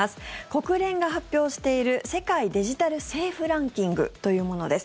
国連が発表している世界デジタル政府ランキングというものです。